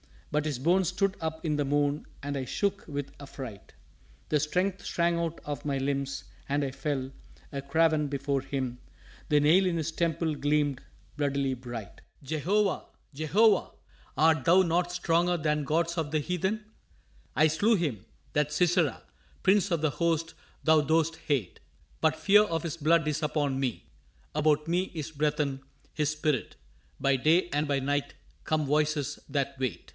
But his bones stood up in the moon and I shook with affright. The strength shrank out of my limbs and I fell, a craven, Before him the nail in his temple gleamed bloodily bright. Jehovah! Jehovah! art Thou not stronger than gods of the heathen? I slew him, that Sisera, prince of the host Thou dost hate. But fear of his blood is upon me, about me is breathen His spirit by day and by night come voices that wait.